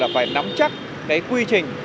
phải nắm chắc cái quy trình